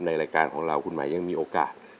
รายการของเราคุณหมายยังมีโอกาส